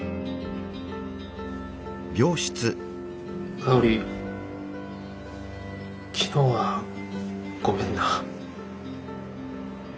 香昨日はごめんな。